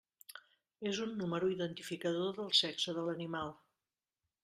És un número identificador del sexe de l'animal.